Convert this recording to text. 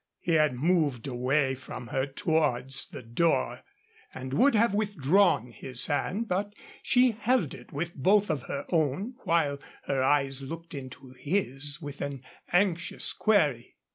He had moved away from her towards the door, and would have withdrawn his hand, but she held it with both of her own while her eyes looked into his with an anxious query.